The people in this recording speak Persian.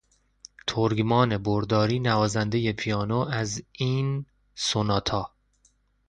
ترگمان برداری نوازندهی پیانو از این سوناتا